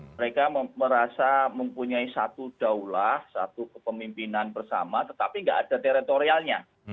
mereka merasa mempunyai satu daulah satu kepemimpinan bersama tetapi tidak ada teritorialnya